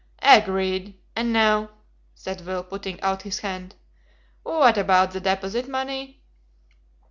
"Agreed. And now," said Will, putting out his hand, "what about the deposit money?"